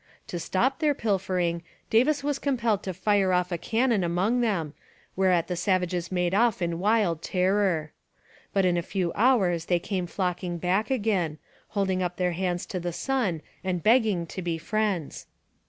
To stop their pilfering, Davis was compelled to fire off a cannon among them, whereat the savages made off in wild terror. But in a few hours they came flocking back again, holding up their hands to the sun and begging to be friends.